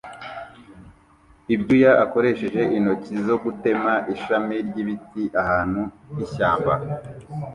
ibyuya akoresheje intoki zo gutema ishami ryibiti ahantu h'ishyamba